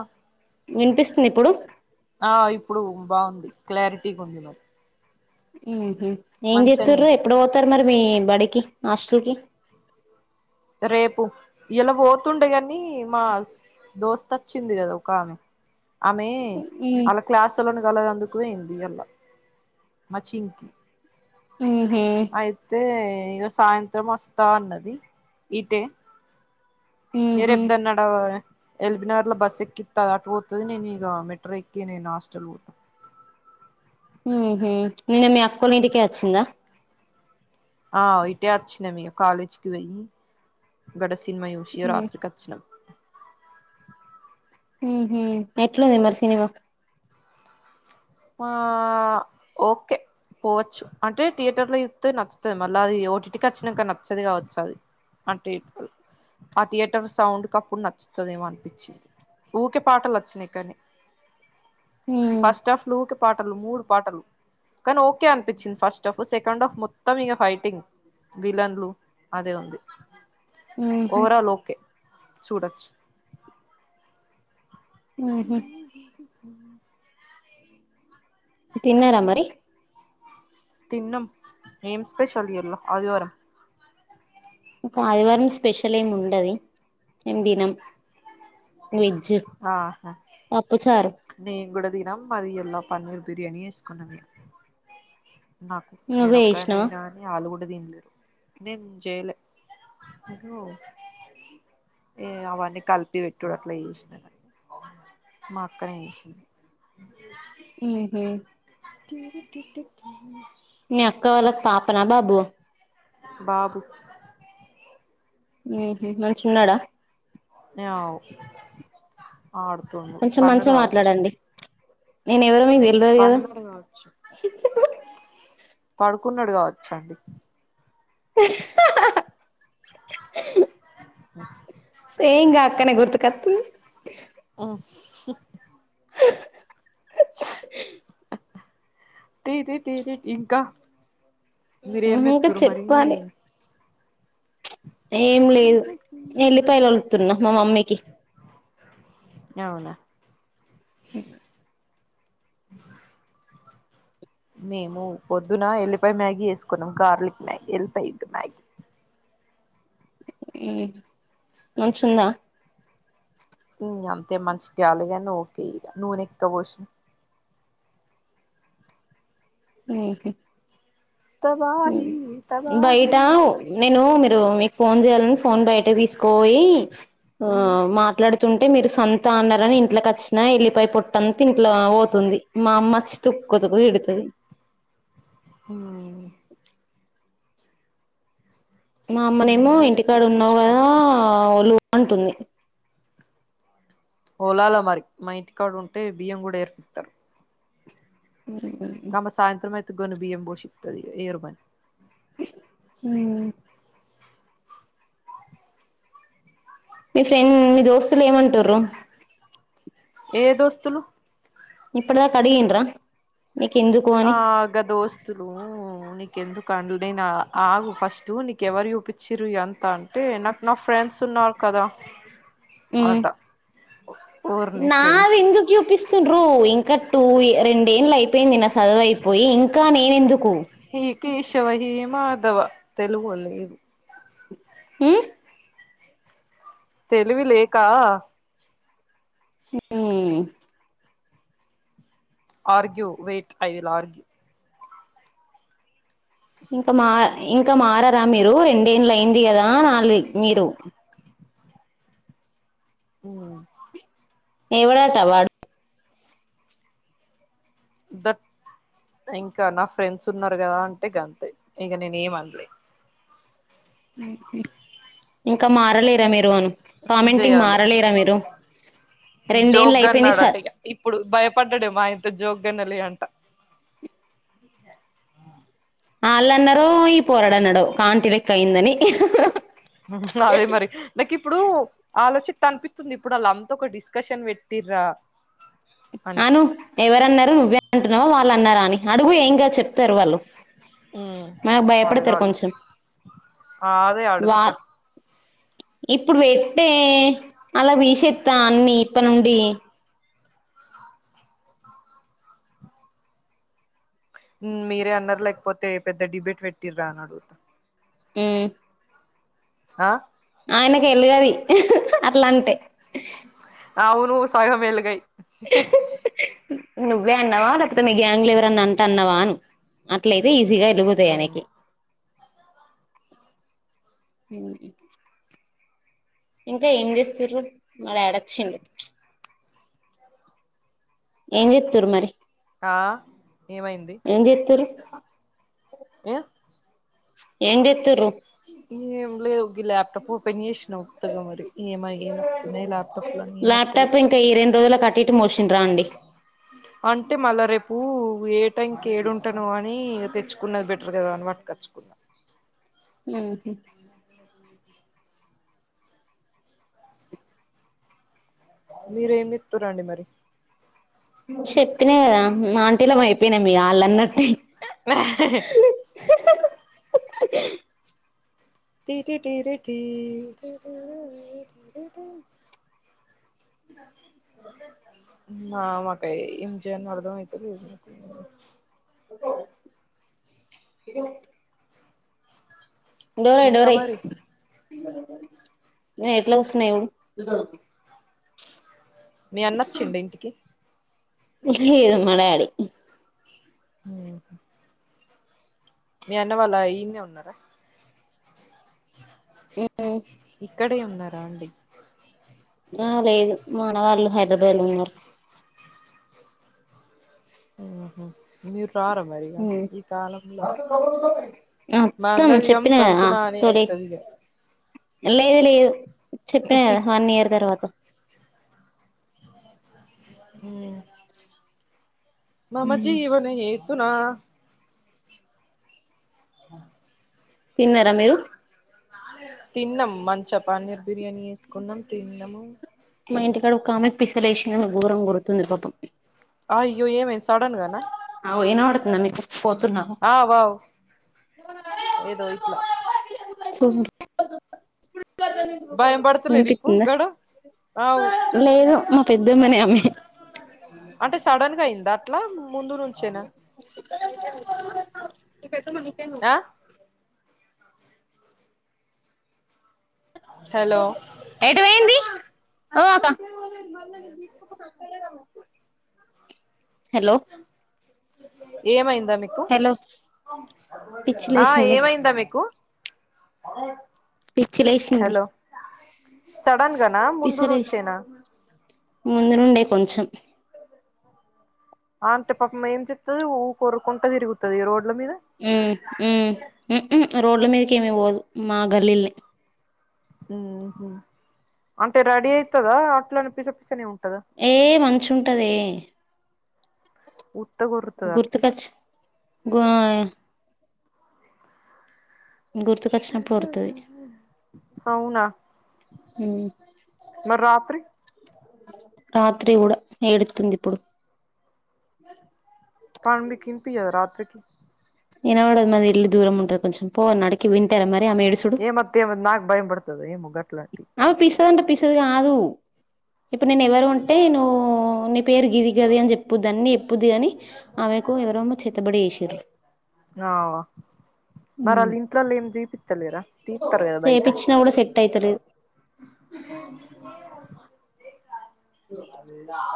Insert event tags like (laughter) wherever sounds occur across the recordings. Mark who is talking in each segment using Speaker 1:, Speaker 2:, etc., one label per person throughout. Speaker 1: ఆ
Speaker 2: వినిపిస్తుంది ఇప్పుడు
Speaker 1: ఆ ఇప్పుడు బాగుంది క్లారిటీగుంది
Speaker 2: ఉహు ఏం
Speaker 1: మంచిగానే
Speaker 2: చెత్తురు
Speaker 1: వినిపి
Speaker 2: ఎప్పుడు పోతారు మరి మీ బడికి హాస్టల్ కి
Speaker 1: రేపు ఇయాలా పోతుండేగాని మా దోస్త వచ్చింది కదా ఒక ఆమె ఆమె అలా క్లాసులను కలగ పోయింది ఇయల్లా మచింగ్కి
Speaker 2: ఉహు
Speaker 1: అయితే ఇగ సాయంత్రం వస్ తా అన్నది ఇటె మీరు
Speaker 2: ఉహు
Speaker 1: ఎప్ద్దన్నా ఆ ఎల్బినగర్ లో బస్ ఎక్కిత్త అటు పోతది నేను ఇగ మెట్రో ఎక్కి నేను హాస్టల్ పో
Speaker 2: ఉహు నిన్న మీ అక్కొల్ల ఇంటికే వచ్చిందా
Speaker 1: ఆ ఇటే వచ్చినం ఇగ కాలేజీకి పొయ్యి గడ సినిమా చూసి రాత్రికి వచ్చినాం
Speaker 2: ఉహు ఎట్లుంది మరి సినిమా
Speaker 1: వా ఓకే పోవచ్చు అంటే థియేటర్ లో చూత్తే నచ్చుతది మళ్ళ అది ఓఇంటికి వచ్చినాక నచ్చది కావచ్చు అది అంటే ఆ థియేటర్ సౌండ్ క అప్పుడు నచ్చుతదేమో అన్పిచ్చింది ఊకే పాటలు వచ్చినయ్ కానీ
Speaker 2: ఉ
Speaker 1: ఫస్ట్ ఆఫ్ క పాటలు మూడు పాటలు కానీ ఓకే అనిపించింది ఫస్ట్ హఫ్ సెకండ్ ఆఫ్ మొత్తం ఇక ఫైటింగ్ విలన్లు అదే ఉంది
Speaker 2: ఉహు
Speaker 1: ఓవరాల్ ఓకే చూడచ్చు
Speaker 2: ఆహ తిన్నారామరి
Speaker 1: తిన్నం ఎమ్ స్పెషల్ ఇయాల ఆదివారం
Speaker 2: ఇంకా ఆదివారం స్పెషల్ ఏమ్ ఉండది మేమ్ దినం వెజ్
Speaker 1: ఆహా
Speaker 2: పప్పు చారు
Speaker 1: నేన్ గూడా తినం మాది ఎల్లో పన్నీర్ బిర్యానీ ఏస్కున్నామ్ ఇగ ఆ నేను
Speaker 2: నువ్వే
Speaker 1: ఒక్క
Speaker 2: చేసినవా
Speaker 1: తినా ఇగ ఆళ్లు కూడా దిన్లే నేన్ చేయలే ఇగ అవన్నీ కలిపి పెట్టుడు అట్లా చేస్నా మాక్క నే చేసింది
Speaker 2: (inaudible)
Speaker 1: త
Speaker 2: మీ అక్క వాళ్ళక్ పాపనా బాబు ఆ
Speaker 1: బాబు
Speaker 2: ఉమ్ హు మంచు ఉన్నాడా
Speaker 1: అవు ఆడుతుండు పన్నుడు కావచ్చు
Speaker 2: నేనెవరో మీకు తెల్వద్ గదా
Speaker 1: పడుకున్నడు గావచ్చన్
Speaker 2: అ సెమ్ గాక్కనే గుర్తు కొతున్
Speaker 1: ఓ
Speaker 2: అ
Speaker 1: ఇంకా మీరేం
Speaker 2: ఇంకా
Speaker 1: మేతురు మరి
Speaker 2: చెప్పాలి ఏం లేదు ఎల్లిపాయలు వొళుతున్నా మా మమ్మీకి
Speaker 1: అవునా
Speaker 2: అ
Speaker 1: మేము పొద్దున ఎల్లిపాయ్ మ్యాగీ యెస్కున్నాం గార్లిక్ మ్యాగీ ఎల్లిపాయ్ మ్యాగీ
Speaker 2: హ్మ్ మంచుందా
Speaker 1: ఇ అంతే మంచిగాలిగన్ ఓకే ఇగ నూనెక్కువ్ పోసి
Speaker 2: (inaudible)
Speaker 1: తబాహి తబాహి
Speaker 2: బయట నేను మీరు మీ ఫోన్ చేయాలని ఫోన్ బయట తీసుకపొయి ఆ
Speaker 1: ఉమ్
Speaker 2: మాట్లాడి తుంటే మీరు సొంత అన్నారని ఇంట్లకచ్చిన ఎల్లిపాయ్ పొట్టంత ఇంట్ల పోతుంది మామ్మొచ్చి తుక్కు తుక్కు తిడ్తది
Speaker 1: హ్మ్
Speaker 2: మా
Speaker 1: ఏం
Speaker 2: అమ్మనేమో
Speaker 1: కాదు ఇగ
Speaker 2: ఇంటికాడ ఉన్నావు కదా
Speaker 1: తిట్టిపిచ్చుకోండి
Speaker 2: ఒలువు అంటుంది
Speaker 1: ఓలాల మరి మా ఇంటికాడ ఉంటే బియ్యం కూడా ఏర్పితరు
Speaker 2: అ (inaudible)
Speaker 1: గమ్మ సాయంత్రం అయితే గాని బియ్య పోషితది ఏరుమంది
Speaker 2: అ మీ ఫ్రెండ్ మీ దోస్తులు ఏమంటురు
Speaker 1: ఏ దోస్తులు
Speaker 2: ఇప్పుడుదాకడిగిన్లు మీకు ఎందుకు
Speaker 1: ఆ గా దోస్తులు నీకెందుకు అండలే నా ఆగు ఫస్ట్ నీకు ఎవరు చూపించిరు ఇది అంత అంటే నాకు నా ఫ్రెండ్స్ ఉన్నారు కదా ఆటా ఊర్ని ఫ్రెండ్స్
Speaker 2: పిస్ డ్రు ఇంకా టూ రెండేళ్ళు అయిపోయింది నా చదువైపోయి ఇంకా నేనెందుకు
Speaker 1: ఈ కేశవ హీ మాధవ తెలుగోళ్ళు ఇ
Speaker 2: హ్మ్
Speaker 1: తెలివి లేక
Speaker 2: ఉమ్
Speaker 1: argue wait I will argue
Speaker 2: ఇంక మా ఇంక మారరా మీరు రెండేన్లు అయింది గదా అని అనాలి మీరు
Speaker 1: ఉమ్
Speaker 2: ఎవరట వాడు
Speaker 1: దట్ ఇంకా నా ఫ్రెండ్స్ ఉన్నరు గదా అంటే గంతే ఇంగ నేను ఏమన్లే
Speaker 2: ఓకే ఇంకా మారలేరా మీరు అను
Speaker 1: ఏం
Speaker 2: కామెంటింగ్
Speaker 1: చెయాలో
Speaker 2: మారలేరా మీరు రెండెన్లు
Speaker 1: జోక్గా
Speaker 2: ఐపోయినా స
Speaker 1: అన్నాడట ఇగ ఇప్పుడు భయపడ్డడు మాయంట జోగ్ న్నాలే అంట
Speaker 2: ఆల్లన్నారు ఈ పోరడన్నాడు కాంటివేక్ట్ అయిందని ఇ హ హ
Speaker 1: ఉంహు అదే మరి నాకిప్పుడు ఆలోచ్చిత్తే అనిపిత్తుంది ఇప్పుడు అల్లంతా ఒక డిస్కషన్ పెట్టిర్రా అని
Speaker 2: అను ఎవరన్నారు నువ్వే అంటున్నావ వాల్లన్నరా అని అడుగు ఏం గాదు చెప్తారు వాల్లు
Speaker 1: ఉమ్
Speaker 2: మనకు భయపడతారు
Speaker 1: అడగాలి
Speaker 2: కొంచెం
Speaker 1: అదే
Speaker 2: వా
Speaker 1: అడుగుతా
Speaker 2: ఇప్పుడు పెట్టే అల్ల తీసేత్త అన్ని ఇప్పటినుండి
Speaker 1: మ్ మీరే అన్నార లేకపోతే పెద్ద డిబేట్ పెట్టిరా అని అడుగుత
Speaker 2: ఉమ్
Speaker 1: అ
Speaker 2: ఆయనకు ఎలుగది ఇహ్ హ హ అట్లంటే
Speaker 1: అవును సగం ఎలగై
Speaker 2: నువ్వే అన్నావా లేకపోతే మీ గ్యాంగ్ లో ఎవరన్న అంటే అన్నావాను అట్లయితే ఈజీగా
Speaker 1: ఉమ్
Speaker 2: ఎలుగుతాయయనకి ఉమ్ ఇంకా ఏం చేస్తుర్రు మాడాడొచ్చిండు ఎంజేత్తుర్రు మరి
Speaker 1: ఆ ఏమైంది
Speaker 2: ఏంజెత్తుర్రు
Speaker 1: ఏ
Speaker 2: ఎంజేత్తూర్రు
Speaker 1: ఏమ్లేవు గి ల్యాప్టాప్ ఓపెన్ జేసిన ఉత్తగా మరి ఏమ ఏమో
Speaker 2: ల్యాప్టాప్ ఇంకా ఈ రెండు రోజులకు అటుఇటు మోష్
Speaker 1: అయిపోయిందా? అంటే మల్ల రేపు ఏ టైంకి ఏడుంటనో అని తెచ్చుకున్నది బెటర్ గదా అని పట్టుకొచ్చుకున్న
Speaker 2: మ్ హ్
Speaker 1: మీరేంది ఇత్తారో అండి మరి
Speaker 2: చెప్పినా గదా మాంటీలం అయిపోయినామిగ ఆల్లన్నట్టే.
Speaker 1: నహ్హె హె టి టి టి టి టి డి టి టి టి టి టి మామక్కై ఏంజేయాల్నో అర్థం అయితలేదు
Speaker 2: (inaudible) డోరెయ్
Speaker 1: ఇంకా
Speaker 2: డోరెయ్
Speaker 1: మరి
Speaker 2: నేను ఎట్లా కూసున్నా చూడు
Speaker 1: మీ అన్నోచ్చిండా ఇంటికి
Speaker 2: లేదు మా డాడి
Speaker 1: మ్ హ్ మీ అన్న వాల్ల ఈన్నే ఉన్నారా?
Speaker 2: మ్
Speaker 1: ఇక్కడే ఉన్నార అండి?
Speaker 2: ఆ లేదు మా అన్న వాళ్లు హైదరాబాద్ లో ఉన్నారు.
Speaker 1: ఓహొ మీరు రార మరిగ ఈ కాలంల
Speaker 2: అత్తం
Speaker 1: మాంగళ్యం
Speaker 2: చెప్పిన కదా
Speaker 1: తంతునానే
Speaker 2: తొలి
Speaker 1: అయితది ఇగ (inaudible)
Speaker 2: లేదు లేదు చెప్పా కదా వన్ ఇయర్ తర్వాత
Speaker 1: మ్ మమ జీవన ఏతునా ఆ
Speaker 2: తిన్నార మీరు?
Speaker 1: తిన్నమ్ మంచిగ పన్నీర్ బిర్యానీ వేసుకున్నాం తిన్నము.
Speaker 2: మా ఇంటికాడ ఒక ఆమెకి పిచ్చ లేసిందేమో ఘోరంగా ఒరుగుతుంది పాపం.
Speaker 1: అయ్యో ఏమైంది సడన్ గాన
Speaker 2: అవు వినబడుతుందా నీకు పోతున్నా
Speaker 1: ఆ బావు ఏదో ఇట్ల
Speaker 2: మ్
Speaker 1: భయం పడతలే నీకు
Speaker 2: వినిపిత్తుందా?
Speaker 1: గడ అవ్
Speaker 2: లేదు మా పెద్దమ్మనే ఆమ
Speaker 1: అంటే సడన్ గా అయింద అట్ల ముందునుంచేనా?
Speaker 2: మీ పెద్దమ్మ నీకెందుకు
Speaker 1: ఆ హలో
Speaker 2: ఎటు పోయింది ఓ అకా హలో
Speaker 1: ఏమైందా మీకు
Speaker 2: హలో పిచ్చి
Speaker 1: ఆ
Speaker 2: లేసింది
Speaker 1: ఏమైందా మీకు? పక్కబెట్
Speaker 2: పిచ్చి లేసింది
Speaker 1: హలో సడన్ గాన ముందు నుంచేనా?
Speaker 2: ముందునుండే కొంచెం.
Speaker 1: ఆంటీ పాపం ఏం చెత్తది ఊకె ఒరుకుంట తిరుగుతది రోడ్ల మీద
Speaker 2: మ్ మ్ మ్హ్ రోడ్ల మీదకి ఏమి పోదు మా గల్లీల్నే
Speaker 1: మ్హ్ అంటే రెడీ అయితదా అట్లనే పిస పిసనే ఉంటదా?
Speaker 2: ఏ మంచు ఉంటదే.
Speaker 1: ఉత్తగ ఒర్రు
Speaker 2: గుర్తుకచ్ గ్వాయే గుర్తుకొచ్చినప్పుడు ఒర్రుతది
Speaker 1: అవునా. మరి రాత్రి.
Speaker 2: రాత్రి కూడా ఏడుతుంది ఇప్పుడు.
Speaker 1: కానీ మీకు ఇన్పియదా రాత్రికి.
Speaker 2: అయినా కూడ మాది ఇల్లు దూరం ఉంటది కొంచెం, పోవన్నా ఆడికి వింటరా మరి ఆమె ఎడుసు
Speaker 1: ఏ మత్తయో ఎమో అని నాకు భయం బడుతది ఏమో గట్లాంటియి.
Speaker 2: ఆమె పిసదంటే పిసది గాదు. ఇప్పుడు నేను ఎవరు అంటే నువ్వు నీ పేరు గిది గది అని చెప్పుద్ది అన్నీ చెప్పుద్ది కాని ఆమెకు ఎవరెమో చేతబడి చేశింర్రు.
Speaker 1: ఆ మరి ఆళ్ళ ఇంట్లోల్లు ఏం చేపిత్తలేరా తిత్తరు కదా బయట.
Speaker 2: నకూడా సెట్ అయితలేదు.
Speaker 1: అదద ఆ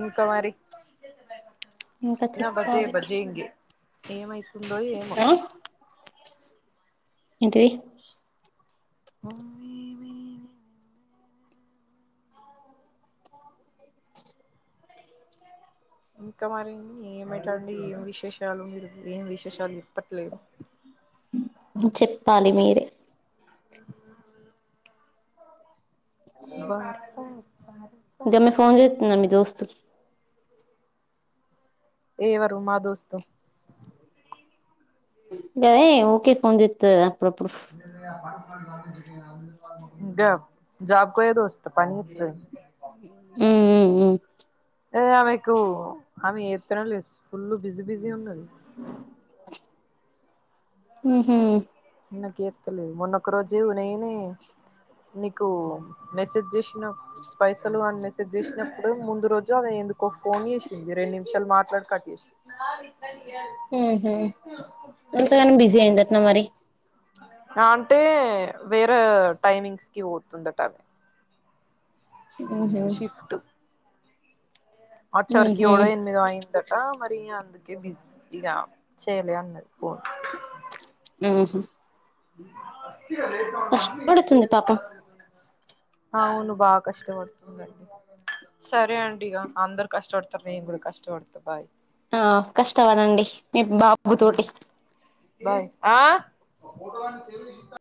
Speaker 1: ఇంక మరి.
Speaker 2: ఇంకా
Speaker 1: ఇగ బజే
Speaker 2: చెప్పాలి
Speaker 1: బజే ఇంగే ఏమైతుందో ఏమో.
Speaker 2: ఆ ఏంటిది?
Speaker 1: హ్ ఇంకా మరి ఏమయితాంది, ఏం విశేషాలు మీరు ఏం విశేషాలు చెప్పట్లేదు.
Speaker 2: చెప్పాలి మీరే. గామే ఫోన్ చేస్తుందా మీ దోస్తు.
Speaker 1: ఎ ఎవరు మా దోస్తు?
Speaker 2: గదే ఊకే ఫోన్ జేత్తది గదా అప్పుడుప్పుడు.
Speaker 1: గా జాబ్కు పోయే దోస్త్. త్ పని జేత్తది.
Speaker 2: మ్మ్ మ్మ్
Speaker 1: ఏ ఆమెకు ఆమె చేత్తనే లేదు, ఫుల్ బిజీ బిజీ ఉన్నది.
Speaker 2: ఉహ్
Speaker 1: నాకు చేత్తలేదు, మొన్న ఒక రోజు నేనే నీకు మెసేజ్ చేశిన పైసలు అని మెసేజ్ చేసినప్పుడో ముందు రోజో ఆమె ఎందుకో ఫోన్ చేశింది, రెండు నిమిషాలు మాట్లాడి కట్చేశింది. వాళ్ళు ఇద్దరు ఇయరు ఇటు ఇటు చూసుకుంటుంటే.
Speaker 2: ఏం జేత్తున్నవు మరి?
Speaker 1: అంటే వేరే టైమింగ్స్ కి పోతుందట ఆమె.
Speaker 2: ఊహూ
Speaker 1: షిఫ్ట్ అచ్చెవరికి
Speaker 2: ఊహూ
Speaker 1: కూడా ఎనిమిది అయింద టా మరి అందుకే బిజీ బిజీగా చేయలే అన్నది ఫోన్.
Speaker 2: ఉహ్
Speaker 1: అస్ అద
Speaker 2: కష్టపడుతుంది పాపం.
Speaker 1: అవును బాగా కష్టపడుతుందండి. సరే అండి ఇగా అందరు కష్టపడుతుర్రు నేను కూడా కష్టపడుత బాయ్
Speaker 2: ఆ కష్టపడండి మీ బా
Speaker 1: ఆ